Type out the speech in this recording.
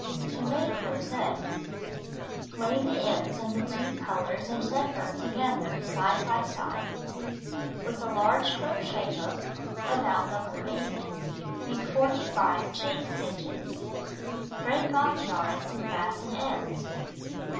To Make Rosette Lay the ends of the two colors of zephyr together side by side. With a large crochet hook (about No. 8) make 45 chain stitches. Break off yarns and fasten ends.